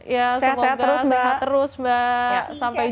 ya semoga sehat terus mbak